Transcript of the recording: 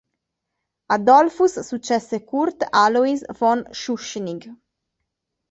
A Dollfuss successe Kurt Alois von Schuschnigg.